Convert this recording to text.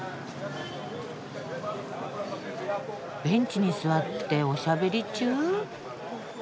ベンチに座っておしゃべり中？